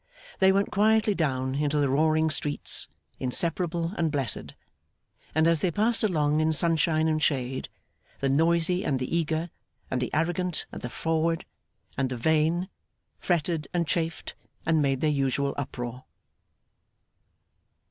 They went quietly down into the roaring streets, inseparable and blessed; and as they passed along in sunshine and shade, the noisy and the eager, and the arrogant and the froward and the vain, fretted and chafed, and made their usual uproar.